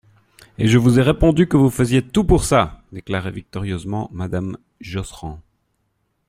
Et je vous ai répondu que vous faisiez tout pour ça ! déclarait victorieusement madame Josserand.